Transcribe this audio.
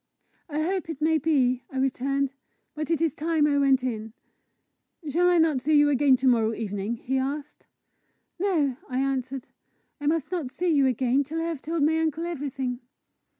"I hope it may be!" I returned. " But it is time I went in." "Shall I not see you again to morrow evening?" he asked. "No," I answered. "I must not see you again till I have told my uncle everything."